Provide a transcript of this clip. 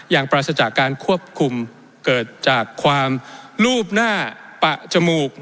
ปราศจากการควบคุมเกิดจากความรูปหน้าปะจมูก